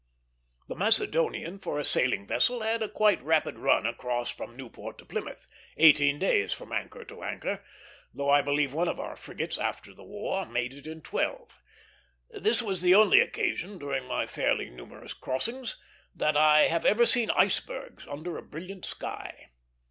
The Macedonian, for a sailing vessel, had a quite rapid run across from Newport to Plymouth, eighteen days from anchor to anchor, though I believe one of our frigates, after the war, made it in twelve. This was the only occasion, during my fairly numerous crossings, that. I have ever seen icebergs under a brilliant sky.